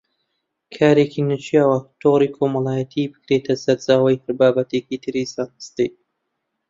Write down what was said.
کارێکی نەشیاوە تۆڕی کۆمەڵایەتی بکرێتە سەرچاوەی هەر بابەتێکی تری زانستی